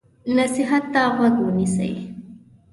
نصیحت ته غوږ ونیسئ.